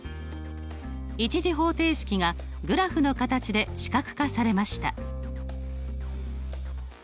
１次方程式がグラフの形で視覚化されました。